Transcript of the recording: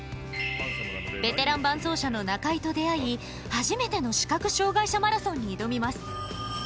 ベテラン伴走者の中居と出会い初めての視覚障がい者マラソンに挑みます。